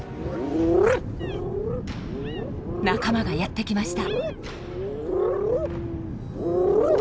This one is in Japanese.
仲間がやって来ました。